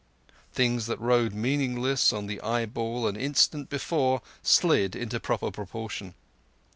Things that rode meaningless on the eyeball an instant before slid into proper proportion.